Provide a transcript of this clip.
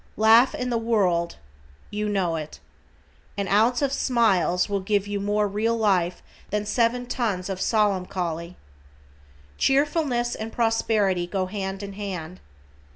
"Laugh and the world" you know it. An ounce of smiles will give you more real life than seven tons of solemncholy. Cheerfulness and prosperity go hand in hand.